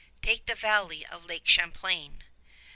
Take the valley of Lake Champlain.